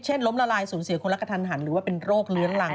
ล้มละลายสูญเสียคนรักกระทันหันหรือว่าเป็นโรคเลื้อนหลัง